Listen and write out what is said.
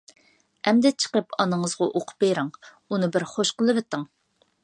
— ئەمدى چىقىپ ئانىڭىزغا ئوقۇپ بېرىڭ. ئۇنى بىر خۇش قىلىۋېتىڭ.